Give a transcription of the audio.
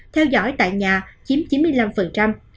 theo dõi tại nhà chiếm chín mươi năm